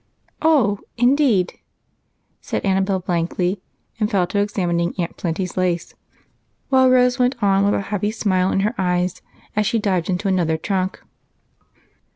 "Oh, indeed!" said Annabel blankly, and fell to examining Aunt Plenty's lace while Rose went on with a happy smile in her eyes as she dived into another trunk.